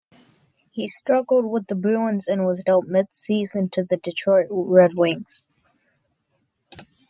He struggled with the Bruins and was dealt mid-season to the Detroit Red Wings.